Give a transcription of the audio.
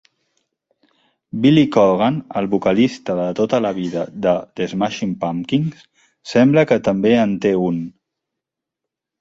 Billy Corgan, el vocalista de tota la vida de The Smashing Pumpkins, sembla que també en té un.